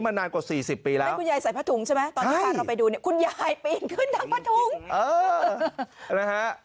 มันนานกว่า๔๐ปีแล้ว